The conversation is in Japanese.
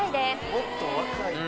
もっと若い人。